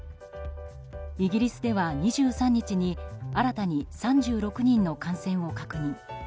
イギリスでは２３日に新たに３６人の感染を確認。